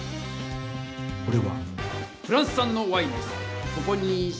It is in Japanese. これはフランスさんのワインです。